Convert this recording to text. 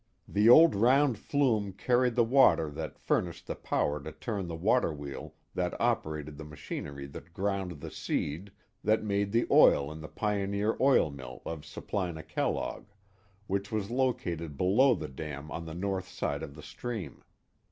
The old round flume carried the water that furnished the power to turn the water wheel that operated the machinery that ground the seed that made the oil in the pioneer oil mill of Supplina Kellogg, which was located below the dam on the north side of the stream.